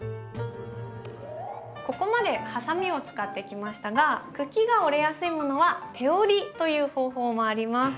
ここまでハサミを使ってきましたが茎が折れやすいものは手折りという方法もあります。